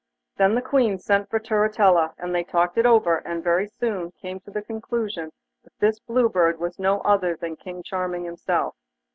Then the Queen sent for Turritella, and they talked it over, and very soon came to the conclusion than this Blue Bird was no other than King Charming himself.